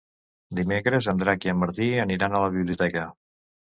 Dimecres en Drac i en Martí aniran a la biblioteca.